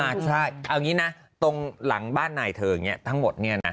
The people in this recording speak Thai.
ใช่เอาอย่างนี้นะตรงหลังบ้านนายเธออย่างนี้ทั้งหมดเนี่ยนะ